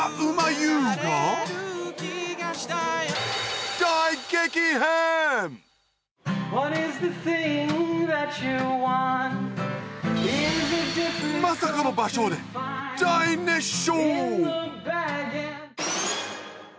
ＹＯＵがまさかの場所で大熱唱！